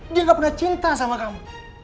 dia gak pernah cinta sama kamu